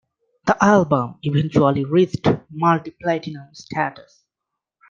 The album eventually reached multi-platinum status.